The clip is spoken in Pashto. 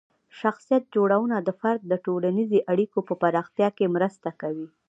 شخصیت جوړونه د فرد د ټولنیزې اړیکو په پراختیا کې مرسته کوي.